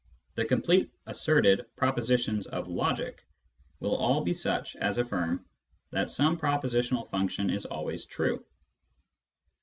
The complete asserted propositions of logic will all be such as affirm that some propositional function is always' true.